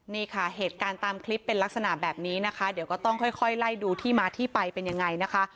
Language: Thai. นี่ค่ะเหตุการณ์ตามคลิปเป็นลักษณะแบบนี้นะคะเดี๋ยวก็ต้องค่อยไล่ดูที่มาที่ไปเป็นยังไงนะคะ